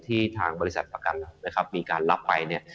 ที่ทางบริษัทประกันมีการรับไปเนี่ย